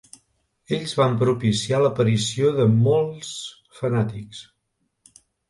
Ells van propiciar l'aparició de molts fanàtics.